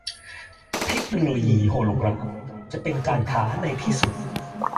เทคโนโลยีโฮโลกราฟจะเป็นการค้าในที่สุด